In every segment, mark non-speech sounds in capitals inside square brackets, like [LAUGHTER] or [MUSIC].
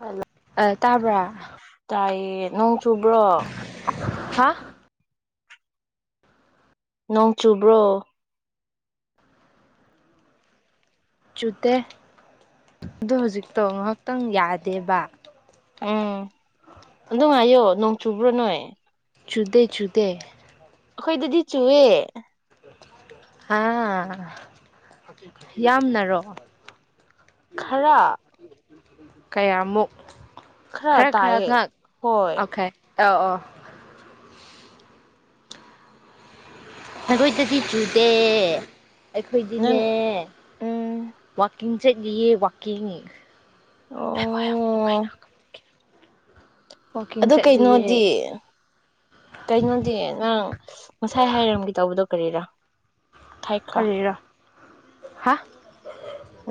hello ꯑ ꯇꯥꯕ꯭ꯔꯥ [UNINTELLIGIBLE] ꯆꯨꯕ꯭ꯔꯣ ꯍꯥ ꯅꯣꯡ ꯆꯨꯕ꯭ꯔꯣ ꯆꯨꯗꯦ ꯑꯣ ꯍꯧꯖꯤꯛꯇꯣ ꯉꯍꯥꯛꯇꯪ ꯌꯥꯗꯦꯕ ꯑ ꯑꯗꯨꯉꯥꯏꯌꯣ ꯅꯅꯨꯡ ꯆꯨꯕ꯭ꯔ ꯅꯣꯏ ꯨꯗꯦ ꯆꯨꯗꯦ ꯑꯩꯈꯣꯏꯗꯗꯤ ꯆꯨꯑꯦ ꯑꯥ ꯌꯥꯝꯅꯔꯣ ꯈꯔ ꯀꯌꯥꯃꯨꯛ ꯈꯔ ꯇꯑ ꯍꯣꯏ ꯑꯥ ꯑꯥ ꯑꯩꯈꯣꯏꯗꯗꯤꯤ ꯆꯨꯗꯦ ꯅꯪ ꯑꯩꯈꯣꯏꯗꯤꯅꯦ ꯎꯝ ꯋꯥꯛꯀꯤꯡ ꯆꯠ ꯌꯦ ꯋꯥꯀꯤꯡ ꯑꯣ ꯑ ꯋꯥꯛꯀꯤꯡ ꯀꯩꯅꯣꯗꯤ ꯆꯠꯂꯤꯌꯦ ꯀꯩꯅꯣꯗꯤ ꯅꯪ ꯉꯁꯥꯏ ꯍꯥꯏꯔꯝꯒꯦ ꯇꯧꯕꯗꯣ ꯀꯔꯤꯗ ꯈ꯭ꯔ ꯀꯔꯤꯔꯥ ꯍꯥ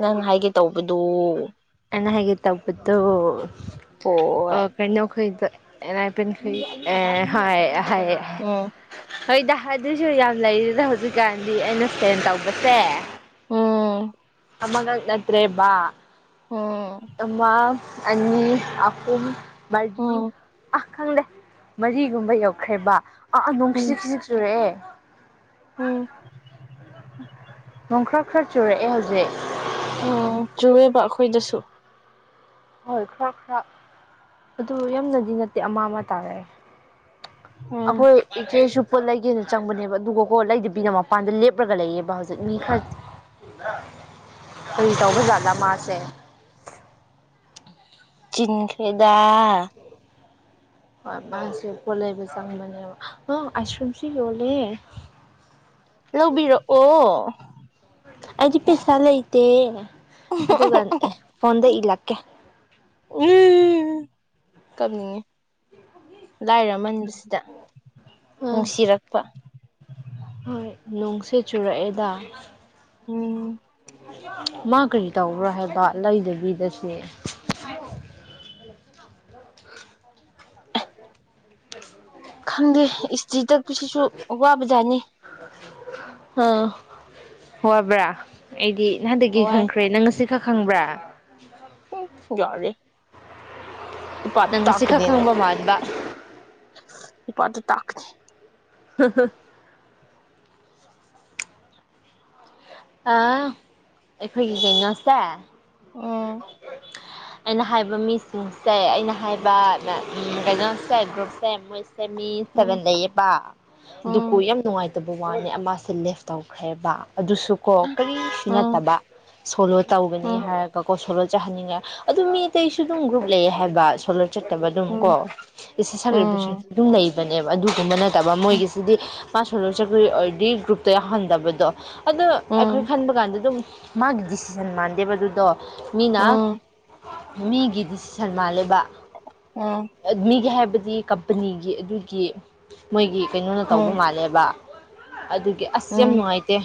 ꯅꯪ ꯍꯥꯏꯒꯦ ꯇꯧꯕꯅꯤ ꯑꯗꯨ ꯃꯅ ꯍꯦꯒ ꯇꯞꯄꯤꯠꯇꯣ ꯑ ꯍꯣꯏ ꯀꯩꯅꯣꯈ ꯏꯗ ꯑꯅ ꯄ ꯍꯥꯏ ꯍꯥꯏ ꯎꯝ ꯍꯣꯏꯗ ꯑꯗꯨꯁꯨ ꯌꯥꯝ ꯂꯩꯔꯤꯗ ꯍꯧꯖꯤꯛꯀꯥꯟꯗꯤ ꯑꯩꯅ ꯁꯦꯟ ꯇꯧꯕꯁꯦ ꯎꯝ ꯃꯃꯒ ꯅꯠꯇ꯭ꯔꯦꯕꯕꯥ ꯎꯝ ꯃꯥ ꯑꯅꯤ ꯑꯍꯨꯝ ꯃꯔꯤ ꯎꯝ ꯈꯪꯗꯦ ꯃꯔꯤꯒꯨꯝꯕ ꯌꯧꯈ꯭ꯔꯦꯕ ꯑꯥ ꯑꯥ ꯅꯣꯡ ꯎꯝ ꯈꯤꯖꯤꯛ ꯈꯤꯖꯤꯛ ꯆꯨꯔꯑꯦ ꯑ ꯎꯝ ꯅꯣꯡ ꯈꯔ ꯈꯔ ꯆꯨꯔꯛꯑꯦ ꯍꯧꯖꯤꯛ ꯎꯝ ꯆꯨꯨꯔꯦꯕ ꯑꯈꯣꯏꯗꯁꯨ ꯍꯣꯏ ꯈꯔ ꯈꯔ ꯑꯗꯨ ꯌꯥꯝꯅꯗꯤ ꯅꯠꯇꯦ ꯑꯃ ꯑꯃ ꯇꯥꯔꯛꯑꯦ ꯎꯝ ꯑꯈꯣꯏ ꯏꯆꯦꯁꯨ ꯄꯣꯠ ꯂꯩꯒꯦꯅ ꯆꯪꯕꯅꯦꯕ ꯑꯗꯨꯒꯀꯣ ꯂꯩꯗꯕꯤꯅ ꯃꯄꯥꯟꯗ ꯂꯦꯞꯄꯒ ꯂꯩꯌꯦꯕ ꯍꯧꯖꯤꯛ ꯃꯤ ꯈꯔ ꯀꯔꯤ ꯇꯧꯕ ꯖꯥꯠꯂ ꯏꯁ ꯃꯥꯁꯦ ꯆꯤꯡꯈꯔꯦꯗꯥ ꯍꯣꯏ ꯃꯥꯁꯨ ꯀꯣꯂꯦꯕ ꯆꯪ ꯃꯕ ꯅꯪ ꯑꯥꯏꯁ ꯀ꯭ꯔꯤꯝꯁꯨ ꯌꯣꯂꯦ ꯂꯧꯕꯤꯔꯛꯑꯣ ꯑꯩꯗꯤ ꯄꯦꯁꯥ ꯂꯩꯇꯦ ꯑꯗꯨꯒ ꯐꯣꯟꯗ ꯏꯂꯛꯀꯦ ꯀꯞꯅꯤꯡꯉꯤ ꯂꯥꯏꯔꯃꯟꯕꯁꯤꯗ ꯎꯝ ꯅꯨꯡꯁꯤꯔꯛꯄ ꯍꯣꯏ ꯅꯣꯡꯁꯦ ꯆꯨꯔꯛꯑꯦꯗ ꯎꯝ ꯃꯥ ꯀꯔꯤ ꯇꯧꯕ꯭ꯔꯣ ꯍꯥꯏꯕ ꯂꯩꯗꯕꯤꯗꯁꯨꯅꯦ [UNINTELLIGIBLE] ꯈꯪꯗꯦ ꯏꯁꯇꯤ ꯇꯛ ꯁꯤꯁꯨ ꯋꯥꯕꯖꯥꯅꯤ ꯋꯥꯕ꯭ꯔꯥ ꯑꯩꯗꯤ ꯅꯍꯥꯟꯗꯒꯤ ꯋꯥꯏ ꯈꯪꯈ꯭ꯔꯦ ꯅꯪ ꯉꯁꯤ ꯁꯛ ꯈꯪꯕ꯭ꯔꯥ ꯎꯝ [UNINTELLIGIBLE] ꯌꯥꯔꯦ ꯏꯄꯥꯗ ꯅꯪ ꯉꯁꯤ ꯈꯛ ꯇꯥꯛꯀꯅꯤꯅ ꯈꯪꯕ ꯃꯥꯟꯕ ꯏꯄꯥꯗ ꯇꯥꯛꯀꯅꯤ [UNINTELLIGIBLE] ꯑ ꯥꯑꯩꯈꯣꯏꯒꯤ ꯀꯩꯅꯣꯁꯦ ꯎꯝ ꯑꯩꯅ ꯍꯥꯏꯕ ꯃꯤꯁꯤꯡꯁꯦ ꯑꯩꯅ ꯍꯥꯏꯕ ꯀꯩꯅꯣ ꯁꯦꯜ ꯍꯦꯜꯞ ꯒ꯭ꯔꯨꯞꯁꯦ ꯃꯣꯏ ꯃꯤ ꯎꯝ ꯁꯚꯦꯟ ꯂꯩꯌꯦꯕ ꯎꯝ ꯗꯨꯕꯨ ꯌꯥꯝ ꯅꯨꯡꯉꯥꯏꯇꯦ [UNINTELLIGIBLE] ꯂꯦꯞ ꯇꯧꯈ꯭ꯔꯦꯕ ꯑꯗꯨꯁꯨ ꯀꯣ ꯀꯔꯤꯁꯨ ꯎꯝ ꯅꯠꯇꯕ ꯁꯣꯂꯣ ꯇꯧꯒꯅꯤ ꯎꯝ ꯍꯥꯏꯔꯒ ꯀꯣ ꯁꯣꯂꯣ ꯆꯥꯍꯟꯅꯤꯡꯉꯦ ꯑꯗꯨ ꯃꯤ ꯑꯇꯩꯁꯨ ꯑꯗꯨꯝ ꯒ꯭ꯔꯨꯞ ꯂꯩꯌꯦ ꯍꯥꯏꯕ ꯁꯣꯂ ꯆꯠꯇꯕ ꯑꯗꯨꯝ ꯀꯣ ꯎꯝ ꯏꯁꯩ ꯎꯝ ꯁꯛꯂꯤꯕꯁꯤꯡꯁꯨ ꯑꯗꯨꯝ ꯂꯩꯕ ꯅꯦꯕ ꯑꯗꯨꯒꯨꯝꯕ ꯅ ꯇꯕ ꯃꯣꯏꯒꯤꯁꯤꯗꯤ ꯃꯥ ꯁꯂ ꯆꯀꯔꯤ ꯑꯣꯏꯔꯗꯤ ꯒ꯭ꯔꯨꯞꯇ ꯌꯥꯍꯟꯗꯕꯗꯣ ꯑꯈꯣꯏ ꯎꯝ ꯈꯟꯕ ꯀꯥꯟꯗ ꯑꯗꯨꯝ ꯃꯥꯒꯤ ꯗꯤꯁꯤꯖꯟ ꯃꯥꯟꯗꯦꯕꯗꯨꯗꯣ ꯃꯤꯅꯥ ꯎꯝ ꯃꯤꯒꯤꯗꯤ ꯁꯜꯃꯥ ꯂꯩꯕꯥꯛ ꯎꯝ ꯃꯤꯒꯤ ꯍꯥꯏꯕꯗꯤ ꯀꯝꯄꯅꯤꯒꯤ ꯑꯗꯨ ꯀꯤ ꯃꯣꯏꯒꯤ ꯀꯩꯅꯣꯅ ꯇꯧꯕ ꯎꯝ ꯃꯥꯜꯂꯦꯕ ꯑꯗꯨꯒꯤ ꯑꯁ ꯌꯥꯝ ꯎꯝ ꯅꯨꯡꯉꯥꯏꯇꯦ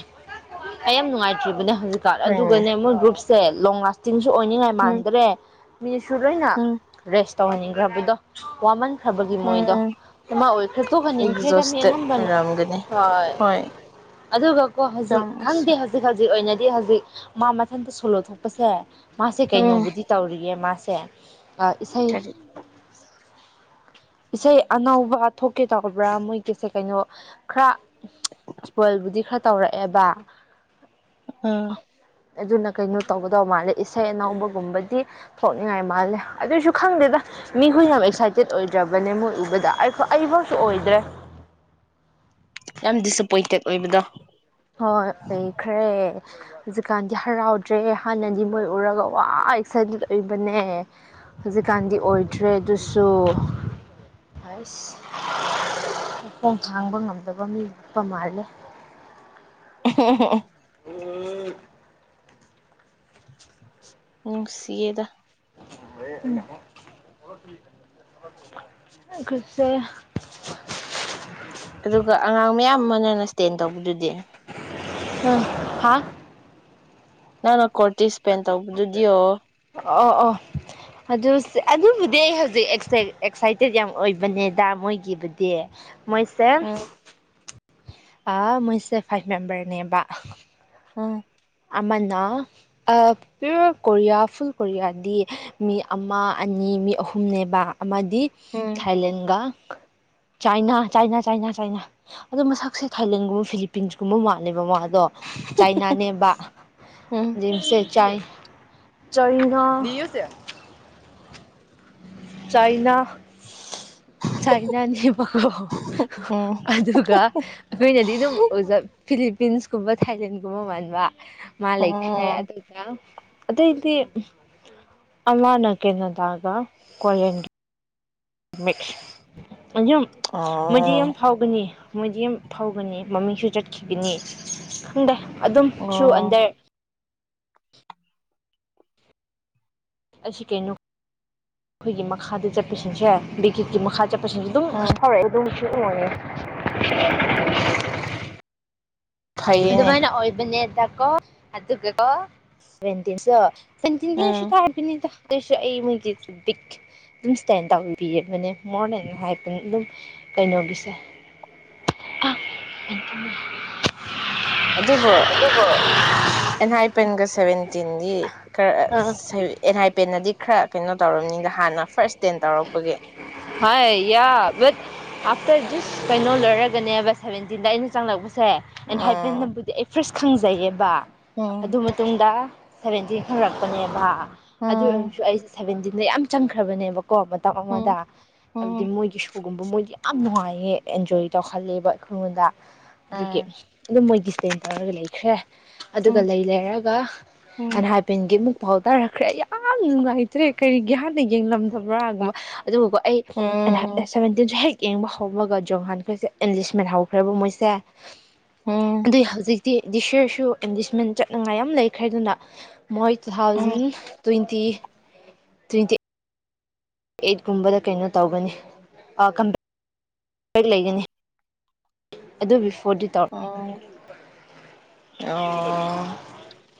ꯑꯩ ꯌꯥꯝ ꯅꯨꯡꯉꯥꯏꯇ꯭ꯔꯤꯕꯅꯦ ꯍꯧꯖꯤꯛꯀꯥꯟ ꯍꯣꯏꯅꯦ ꯑꯗꯨꯒꯅꯦ ꯃꯣꯏ ꯒ꯭ꯔꯨꯞ ꯁꯦꯂꯣꯡ ꯂꯥꯁꯇ ꯆꯤꯡꯁꯨ ꯑꯣꯏꯅꯤꯡꯉꯥꯏ ꯎꯝ ꯃꯥꯟꯗ꯭ꯔꯦ ꯁꯨ ꯂꯣꯏꯅ ꯎꯝ ꯔꯦꯁ ꯇꯧꯍꯟꯅꯤꯡꯈ꯭ꯔꯕꯗꯣ ꯋꯥꯃꯟ ꯈ꯭ꯔꯕꯒꯤ ꯃꯣꯏꯗꯣ ꯎꯝ ꯑꯃꯥ ꯑꯣꯏꯈ꯭ꯔꯁꯨ ꯍꯟꯅꯤꯡꯈ꯭ꯔꯦꯗꯃꯤ ꯑꯦꯛꯖꯣꯁꯇꯦꯠ ꯑꯅꯝꯕꯅ ꯑꯣꯏꯔꯝꯒꯅꯤ ꯍꯣꯏ ꯑꯗꯨꯒꯀꯣ ꯍꯧꯖꯤꯛ ꯀꯌꯥꯃꯨꯛꯁꯨ ꯈꯪꯗꯦ ꯍꯧꯖꯤꯛ ꯍꯧꯖꯤꯛ ꯑꯣꯏꯅꯗꯤ ꯍꯧꯖꯤꯛ ꯍꯧꯖꯤꯛ ꯃꯥ ꯃꯊꯟꯇ ꯁꯣꯂꯣ ꯊꯣꯛꯄꯁꯦ ꯃꯥꯁꯦ ꯎꯝ ꯀꯩꯅꯣꯕꯨꯗꯤ ꯇꯧꯔꯤꯌꯦ ꯃꯥꯁꯦ ꯆꯦ ꯑ ꯏꯁꯩ ꯏꯁꯩ ꯑꯅꯧꯕ ꯊꯣꯛꯀꯦ ꯇꯧꯕ꯭ꯔꯥ ꯃꯣꯏꯒꯤꯁꯦ ꯀꯩꯅꯣ ꯈꯔ ꯏꯁꯄꯣꯏꯜꯕꯨꯗꯤ ꯈꯔ ꯇꯧꯔꯛꯑꯦꯕ ꯑꯥ ꯑꯗꯨꯅ ꯀꯩꯅꯣ ꯇꯧꯒꯗꯕ ꯃꯥꯜꯂꯦ ꯏꯁꯩ ꯑꯅꯧꯕꯒꯨꯝꯕꯗꯤ ꯊꯣꯛꯅꯤꯡꯉꯥꯏ ꯃꯥꯜꯂꯦ ꯑꯗꯨꯏꯁꯨ ꯈꯪꯗꯦꯗ ꯃꯤꯈꯣꯏꯅ ꯑꯦꯛꯁꯥꯏꯇꯦꯠ ꯑꯣꯏꯗ꯭ꯔꯕꯅꯦ ꯃꯣꯏ ꯎꯕꯗ ꯑꯩ ꯑꯩꯐꯧꯁꯨ ꯑꯣꯏꯗ꯭ꯔꯦ ꯌꯥꯝ ꯗꯤꯁꯑꯄꯣꯏꯟꯇꯦꯠ ꯑꯣꯏꯕꯗꯣ ꯍꯣꯏ ꯑꯣꯏꯈ꯭ꯔꯦ ꯍꯧꯖꯤꯛꯀꯥꯟꯗꯤ ꯍꯔꯥꯎꯗ꯭ꯔꯦ ꯍꯥꯟꯅꯗꯤ ꯃꯣꯏ ꯎꯔꯒ ꯋꯥ ꯑꯦꯛꯁꯥꯏꯇꯦꯠ ꯑꯣꯏꯕꯅꯦ ꯍꯧꯖꯤꯛꯀꯥꯟꯗꯤ ꯑꯣꯏꯗ꯭ꯔꯦ ꯑꯗꯨꯁꯨ ꯑꯁ [UNINTELLIGIBLE] ꯈꯣꯡ ꯊꯥꯡꯕ ꯉꯝꯗꯕ ꯃꯤ ꯆꯠꯄ ꯃꯥꯜꯂꯦ ꯑꯣ ꯍꯣ ꯎꯝ ꯎ ꯁꯗ ꯀꯁꯦ ꯑꯗꯨꯒ ꯑꯉꯥꯡ ꯃꯌꯥꯝ ꯑꯃꯅꯅ ꯏꯁꯇꯦꯟ ꯇꯧꯕꯗꯨꯗꯤ ꯎꯝ ꯍꯥ ꯅꯥꯟꯀꯣꯦ ꯇꯗꯤꯁꯄꯦꯟ ꯇꯧꯕꯗꯨꯗꯤꯌꯣ ꯑꯣ ꯑꯣ ꯑꯗꯨ ꯑꯗꯨꯕꯨꯗꯤ ꯑꯩ ꯍꯧꯖꯤꯛ ꯑꯦꯛꯁꯥꯏꯇꯦꯠ ꯌꯥꯝ ꯑꯣꯏꯕꯅꯦꯗ ꯃꯣꯏꯒꯤꯕꯨꯗꯤ ꯃꯣꯏꯁ ꯎꯝ ꯑ ꯃꯣꯏꯁꯦ ꯐꯥꯏꯚ ꯃꯦꯝꯕꯔꯅꯦꯕ ꯑ ꯑꯃꯅ ꯄꯤꯌꯣꯔ ꯀꯣꯔꯤꯌꯥ ꯐꯨꯜ ꯀꯣꯔꯤꯌꯥꯗꯤ ꯃꯤ ꯑꯃ ꯑꯅꯤ ꯃꯤ ꯑꯍꯨꯝꯅꯦꯕ ꯑꯃꯗꯤ ꯎꯝ ꯊꯥꯏꯂꯦꯟꯒ ꯆꯥꯏꯅꯥ ꯆꯥꯏꯅꯥ ꯆꯥꯏꯅꯥ ꯆꯥꯏꯅꯥ ꯑꯗꯣ ꯃꯁꯛꯁꯦ ꯊꯥꯏꯂꯦꯟꯒꯨꯝꯕ ꯐꯤꯂꯤꯄꯤꯟꯁꯀꯨꯝꯕ ꯃꯥꯜꯂꯦꯕ ꯃꯥꯗ ꯑꯗꯣ ꯆꯥꯏꯅꯥ ꯅꯦꯝꯕ ꯁ ꯎꯝ ꯆꯥꯏ ꯆꯅꯥ ꯆꯥꯏꯅꯥ ꯆꯅꯥ ꯅꯄꯥ ꯎꯝ ꯑꯗꯨꯒ ꯑꯩꯈꯣꯏꯅꯗꯤ ꯑꯗꯨꯝ ꯑꯣꯖꯥ ꯐꯤꯂꯤꯄꯤꯟꯁꯀꯨꯝꯕ ꯊꯥꯏꯂꯦꯟꯒꯨꯝꯕ ꯃꯕ ꯃꯥꯂꯤꯛ ꯍꯦ ꯎꯝ ꯑꯗꯨꯗ ꯑꯗꯇꯩꯗꯤ ꯑꯃꯅ ꯀꯦꯅꯗꯥꯒ ꯀꯣꯂꯦꯟ ꯃꯤ ꯑꯨꯝ ꯃꯗꯤ ꯑꯣ ꯑꯃ ꯐꯥꯎꯒꯅꯤ ꯃꯣꯏꯗꯤ ꯐꯥꯎꯒꯅꯤ ꯃꯃꯤꯡꯁꯨ ꯆꯠꯒꯅꯤ ꯈꯪꯗꯦ ꯑꯗꯨꯝꯁꯨ ꯑꯣ ꯑꯟꯗꯔ ꯑꯁꯤ ꯀꯩꯅꯣ ꯑꯩꯈꯣꯏꯒꯤ ꯃꯈꯥꯗ ꯆꯠꯄꯁꯤꯡꯁꯦ ꯕꯤꯒꯤꯠꯀꯤ ꯃꯈꯥ ꯆꯠꯄꯁꯤꯡꯁꯨ ꯑꯗꯨꯝ ꯎꯝ ꯐꯥꯎꯔꯛꯑꯦ ꯑꯗꯨꯝ [INAUDIBLE] ꯐꯩꯌꯦꯅꯦ ꯑꯗꯨꯃꯥꯏꯅ ꯑꯣꯏꯕꯅꯦ ꯀꯣ ꯑꯗꯨ ꯑꯗꯨ ꯀ ꯀꯣ ꯁꯕꯦꯟꯇꯤꯟꯁꯨ ꯆꯇꯤꯟꯗꯤꯁꯨ ꯎꯝ ꯇꯥꯔꯕꯅꯤꯗ ꯀꯩꯁꯨ ꯑꯩ ꯃꯣꯏꯒꯤ ꯕꯤꯛ ꯑꯗꯨꯝ ꯁ꯭ꯇꯦꯟ ꯇꯧꯕꯤꯕꯅꯦ ꯃꯣꯔꯦ ꯍꯥꯏꯇ ꯑꯗꯨꯝ ꯀꯩꯅꯣꯒꯤꯁꯦ ꯑꯗꯨꯕꯨ [UNINTELLIGIBLE] ꯄꯟꯒꯁꯦ ꯁꯕꯚꯦꯟ ꯇꯤꯟꯗꯤ ꯈꯔ ꯑꯥ ꯑꯦꯟꯅꯥꯥꯏ ꯄꯦꯟꯅꯗꯤ ꯈꯔ ꯀꯩꯅꯣ ꯇꯧꯔꯕꯅꯤꯗ ꯍꯥꯟꯅ ꯐꯥꯔꯁ ꯇꯦꯟ ꯇꯧꯔꯛꯄꯒꯤ ꯍꯥꯏ ꯌꯥꯇ [INAUDIBLE] ꯀꯩꯅꯣ ꯂꯣꯏꯔꯒꯅꯦꯕ ꯁꯚꯦꯟꯇꯤꯟꯗ ꯑꯩꯅ ꯆꯪꯂꯛꯄꯁ ꯁꯦ ꯑꯩꯅ ꯎꯝ ꯍꯥꯏꯕꯕꯨꯗꯤ ꯑꯩ ꯐꯥꯔꯁ ꯈꯪꯖꯩꯌꯦꯕ ꯎꯝ ꯑꯗꯨ ꯃꯇꯨꯡꯗ ꯁꯚꯦꯟꯇꯤꯟ ꯍꯧꯔꯛꯄꯅꯦꯕ ꯑꯗꯨ ꯎꯝ ꯑꯣꯏꯔꯁꯨ ꯑꯩꯁꯦ ꯁꯚꯦꯟꯇꯤꯟ ꯌꯥꯝ ꯆꯪꯈ꯭ꯔꯕꯅꯦꯕ ꯀꯣ ꯃꯇꯝ ꯎꯝ ꯑꯃꯗ ꯍꯥꯏꯕꯗꯤ ꯎꯝ ꯃꯣꯏꯒꯤ ꯁꯨꯒꯨꯝꯕ ꯃꯣꯏꯗꯤ ꯌꯥꯝ ꯅꯨꯡꯉꯥꯏ ꯑꯦꯟꯖꯣꯏ ꯇꯧꯍꯜꯂꯦꯕ ꯑꯩꯈꯉꯣꯟꯗ ꯎꯝ ꯑꯗꯨꯒꯤ ꯑꯗꯨꯝ ꯃꯣꯏꯒꯤ ꯏꯁꯇꯦꯟ ꯇꯧꯔꯒ ꯂꯩꯈ꯭ꯔꯦ ꯑꯗꯨꯒ ꯎꯝ ꯂꯩ ꯂꯩꯔꯒ ꯑꯟꯕꯦꯟꯒꯤ ꯑꯃꯨꯛ ꯄꯥꯎꯊꯔꯛꯈ꯭ꯔꯦ ꯌꯥꯝ ꯅꯨꯡꯉꯥꯏꯇ꯭ꯔꯦ ꯀꯔꯤꯒꯤ ꯍꯥꯟꯅꯗꯦ [UNINTELLIGIBLE] ꯑꯗꯨꯕꯣ ꯑꯩ ꯎꯝ ꯎꯝ ꯁꯕꯦꯟꯇꯤꯟꯁꯨ ꯍꯦꯛ ꯌꯦꯡꯕ ꯍꯧꯔꯒ ꯖꯣꯡꯍꯥꯟꯈꯩꯁꯦ ꯑꯦꯟꯂꯤꯁꯃꯦꯟ ꯍꯧꯈ꯭ꯔꯦꯕ ꯃꯣꯏꯁꯦ ꯎꯝ ꯑꯗꯨ ꯍꯧꯖꯤꯛ ꯗꯤꯁꯔꯁꯨ ꯑꯦꯟꯗꯦꯁꯃꯦꯟ ꯆꯠꯅꯤꯡꯉꯥꯏ ꯌꯥꯝ ꯂꯩꯈ꯭ꯔꯦꯗꯨꯅ ꯃꯣꯏ two um thousand twenty twenty ꯑꯩꯠꯀꯨꯝꯕꯗ ꯀꯩꯅꯣ ꯇꯧꯒꯅꯤ ꯂꯩꯒꯅꯤ ꯑꯗꯨ ꯕꯤꯐꯣꯔꯗꯤ ꯇꯧꯔ ꯑꯥ [UNINTELLIGIBLE]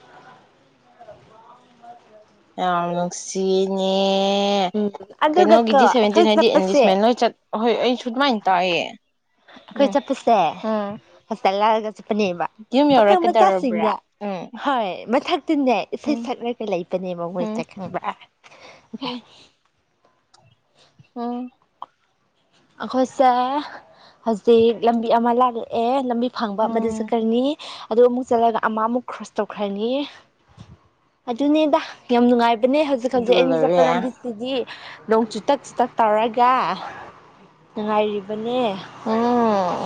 ꯌꯥꯝ ꯅꯨꯡꯁꯤꯅꯦ ꯑꯦ ꯎꯝ ꯑꯗꯨꯒ ꯀꯣ ꯀꯩꯅꯣꯒꯤꯗꯤ ꯑꯩꯈꯣꯏ ꯁꯦꯚꯦꯟꯇꯤꯟ ꯍꯥꯏꯗꯤ ꯆꯠꯄꯁꯦ ꯏꯪꯂꯤꯁꯃꯦꯟ ꯂꯣꯏ ꯆꯠ ꯍꯣꯏ ꯑꯩ ꯁꯨꯠꯃꯥꯏ ꯇꯌꯦ ꯑꯩꯈꯣꯏ ꯆꯠꯄꯁꯦ ꯍꯣꯁꯄꯤꯇꯥꯜ ꯂꯔꯒ ꯆꯠꯄꯅꯦꯕ ꯌꯨꯝ ꯄꯥꯈꯪ ꯌꯧꯔꯛꯀꯗꯧꯔꯕ꯭ꯔꯥ ꯃꯆꯥꯁꯤꯡꯒ ꯎꯝ ꯍꯣꯏ ꯃꯊꯛ ꯇꯟꯅꯦ ꯏꯁꯩ ꯎꯝ ꯁꯛꯂꯒ ꯂꯩꯕꯅꯦꯕ ꯃꯣꯏ ꯎꯝ ꯁꯛ ꯈꯪꯕ ꯑꯣꯝ ꯑꯩꯈꯣꯏꯁꯦ ꯍꯧꯖꯤꯛ ꯂꯝꯕꯤ ꯑꯃ ꯂꯥꯛꯂꯛꯑꯦ ꯂꯝꯕꯤ ꯐꯪꯕ ꯎꯝ ꯑꯃꯗꯤꯗꯨꯁꯨ ꯀꯔꯤꯅꯤ ꯑꯗꯨꯒ ꯑꯃꯨꯛ ꯆꯠꯂꯒ ꯑꯃ ꯑꯃꯨꯛ ꯀ꯭ꯔꯣꯁ ꯇꯧꯈ꯭ꯔꯅꯤ ꯑꯗꯨꯅꯦꯗ ꯌꯥꯝ ꯅꯨꯡꯉꯥꯏꯕ ꯅꯦ ꯍꯧꯖꯤꯛ ꯍꯧꯖꯤꯛ ꯑꯗꯨꯒ ꯑꯩꯅ ꯆꯠꯄ ꯂꯣꯏꯔꯦ ꯂꯝꯕꯤꯁꯤꯗꯤ ꯅꯣꯡ ꯆꯨꯇꯛ ꯆꯨꯇꯛ ꯇꯧꯔꯒ ꯅꯨꯡꯉꯥꯏꯔꯤꯕ ꯅꯦ ꯎꯝ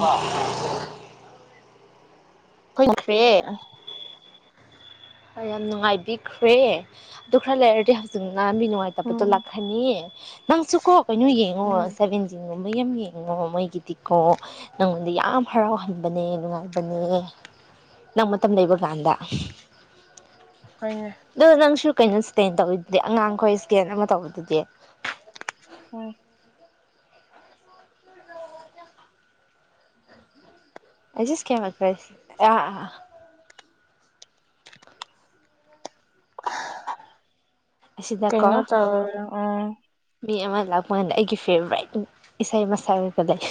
ꯐꯪꯈ꯭ꯔꯦ ꯍꯣꯏ ꯌꯥꯝ ꯅꯨꯡꯉꯥꯏꯕꯤꯈ꯭ꯔꯦ ꯑꯗꯨ ꯈꯔ ꯂꯩꯔꯗꯤ ꯍꯧꯖꯤꯛ ꯅꯥꯕꯤ ꯅꯨꯡꯉꯥꯏꯇꯕꯗꯣ ꯎꯝ ꯂꯥꯛꯈ꯭ꯔꯅꯤ ꯅꯪꯁꯨꯨꯀꯣ ꯀꯩꯅꯣ ꯌꯦꯡꯉꯣ ꯎꯝ ꯁꯦꯚꯦꯟ ꯖꯤ ꯃꯌꯥꯝ ꯌꯦꯡꯉꯣ ꯃꯣꯏꯒꯤꯗꯤꯀꯣ ꯅꯪꯉꯣꯟꯗ ꯌꯥꯝ ꯍꯔꯥꯎꯍꯟꯕꯅꯦ ꯅꯨꯡꯉꯥꯏꯕꯅꯦ ꯅꯪ ꯃꯇꯝ ꯂꯩꯕ ꯀꯥꯟꯗ ꯍꯣꯏꯅꯦ ꯗꯨ ꯅꯪꯁꯨ ꯀꯩꯅꯣ ꯏꯁꯀꯦꯟ ꯇꯧꯕꯋꯤꯗꯨꯗꯤ ꯑꯉꯥꯡꯈꯣꯏ ꯏꯁꯀꯦꯟ ꯑꯃ ꯇꯧꯕꯗꯨꯗꯤ ꯎꯝ ꯑꯩꯁꯤꯁ ꯀꯃꯁꯤ ꯑ ꯑ [INAUDIBLE] ꯑꯁꯤꯗꯀꯣ ꯀꯩꯅꯣ ꯇꯧ ꯎꯝ ꯃꯤ ꯑꯃ ꯂꯥꯛꯄ ꯀꯥꯟꯗ ꯑꯩꯒꯤ ꯐꯦꯕꯣꯔꯥꯏꯠ ꯏꯁꯩꯃ ꯁꯛꯑꯒ ꯂꯩ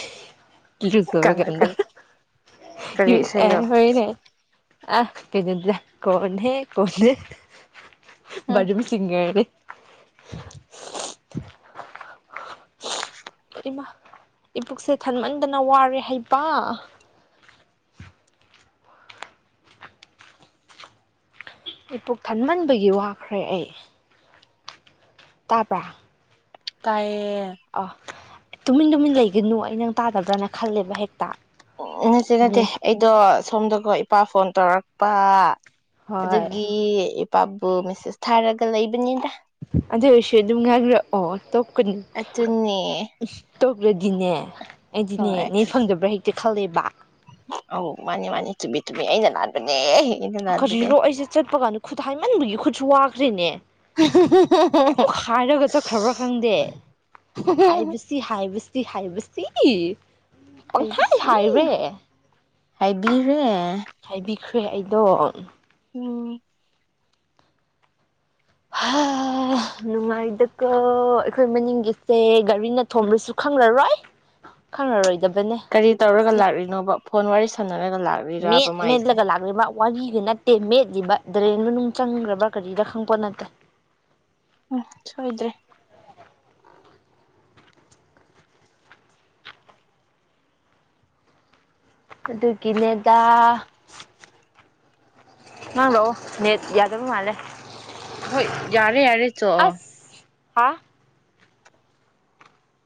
ꯏꯔꯨꯖꯕꯀꯥꯟꯗ ꯀꯔꯤ ꯀꯔꯤ ꯍ ꯑꯦ ꯏꯁꯩꯔꯣ ꯍꯣꯏꯅꯦ ꯑ ꯀꯩꯅꯣꯗ ꯀꯣꯟꯍꯦ ꯀꯟꯍꯦ ꯎꯝ ꯕꯥꯗꯔꯨꯝ ꯁꯤꯡꯒꯔꯅꯦ ꯅꯞ ꯃꯍꯤ ꯆꯤꯡꯈꯠꯄ ꯏꯃꯥ ꯏꯕꯨꯛꯁꯦ ꯊꯟꯃꯟꯗꯅ ꯋꯥꯔꯦ ꯍꯥꯢꯕ ꯏꯄꯨꯛ ꯊꯟꯃꯟꯕꯒꯤ ꯋꯥꯈ꯭ꯔꯦ ꯑꯩ ꯇꯥꯄ꯭ꯔ ꯇꯥꯏꯌꯦ ꯑ ꯇꯨꯃꯤꯟ ꯇꯨꯃꯤꯟ ꯂꯩꯒꯅꯨ ꯑꯩꯅ ꯇꯥꯗꯕ꯭ꯔꯅ ꯈꯜꯂꯦꯕ ꯍꯦꯛꯇ ꯅꯠꯇꯦ ꯅꯠꯇꯦ ꯅꯦ ꯑꯩꯗꯣ ꯁꯣꯝꯗꯀꯣ ꯏꯄꯥ ꯐꯣꯟ ꯇꯧꯔꯛꯄ ꯍꯣꯏ ꯑꯗꯨꯒꯤ ꯄꯥꯕꯨ ꯃꯦꯁꯦꯁ ꯊꯥꯔꯒ ꯂꯩꯕꯅꯤꯗ ꯗꯨꯝ ꯉꯥꯡꯔꯛꯑꯣ ꯊꯣꯛ ꯀꯅꯤ ꯑꯗꯨꯅꯦ ꯇꯣꯛꯒ꯭ꯔ ꯑꯩꯒꯤꯅꯦ ꯑꯩꯗꯤꯅꯦ ꯍꯣꯏ ꯅ ꯐꯪꯗꯕ꯭ꯔꯥ ꯍꯦꯛꯇ ꯈꯜꯂꯤꯕ ꯑꯧ ꯃꯥꯅꯤ ꯃꯥꯅꯤ ꯆꯨꯝꯃꯤ ꯆꯨꯝꯃꯤ ꯑꯩꯅ ꯂꯥꯟꯕꯅꯦ ꯂꯥꯟꯕꯅꯦ ꯀꯖꯤꯔꯣ ꯑꯩꯁꯦ ꯆꯠꯄ ꯀꯥꯟꯗ ꯈꯨꯠ ꯍꯥꯏꯃꯟꯕꯒꯤ ꯈꯨꯠꯁꯨ ꯋꯥ ꯐ꯭ꯔꯤꯅꯦ ꯀꯩꯃꯨꯛ ꯍꯥꯏꯔꯒ ꯆꯠꯈ꯭ꯔꯕ꯭ꯔꯥ ꯈꯪꯗꯦ ꯍꯥꯏꯕꯁꯤ ꯍꯥꯏꯕꯁꯤ ꯁꯤ ꯍꯥꯏꯕꯁꯤ ꯄꯪꯊꯥꯏ ꯍꯥꯏꯔꯦ ꯍꯥꯏꯗꯤ ꯇꯦ ꯍꯦ ꯑꯩꯗꯣ ꯑꯣ ꯅꯨꯡꯉꯥꯏꯗꯀ ꯑꯩꯈꯣꯏ ꯃꯅꯤꯡꯒꯤꯁꯦ ꯒꯥꯔꯤꯅ ꯊꯣꯝꯂꯁꯨ ꯈꯪꯂꯔꯣꯏ ꯈꯪꯉꯔꯣꯏꯗꯕ ꯀꯔꯤ ꯇꯧꯔꯒ ꯂꯥꯛꯂꯤꯅꯣꯕ ꯐꯣꯟ ꯋꯥꯔꯤ ꯁ ꯁꯅꯔꯒ ꯂꯥꯛꯂꯤꯔꯕ ꯃꯥ ꯑꯩꯁꯦ ꯋꯥꯔꯤꯒꯤ ꯅꯠꯇꯦ ꯃꯦꯠꯂꯤꯕ ꯗ꯭ꯔꯦꯟꯗꯨꯣ ꯅꯨꯡ ꯆꯪꯈ꯭ꯔꯕ꯭ꯔꯥ ꯀꯔꯤꯗ ꯈꯪꯄꯣ ꯅꯠꯇꯦ ꯎꯝ ꯁꯣꯏꯗ ꯑꯗꯨꯒꯤꯅꯦꯦꯗ ꯉꯥꯡ ꯂꯥꯛꯑꯣ ꯅꯦꯠ ꯌꯥꯗꯕ ꯃꯥꯜꯂꯦ ꯍꯣꯏ ꯌꯥꯔꯦ ꯌꯥꯔꯦ ꯆ ꯑꯁ ꯍꯥ